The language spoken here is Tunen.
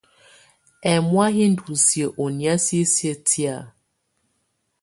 Ɛmɔ̀á yɛ ndù siǝ́ ɔ ɔnɛ̀á sisiǝ́ tɛ̀á.